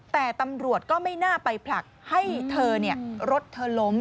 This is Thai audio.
แต่ตำรวจก็ไม่น่าไปผลักให้เธอรถเธอล้ม